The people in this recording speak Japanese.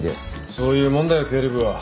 そういうもんだよ経理部は。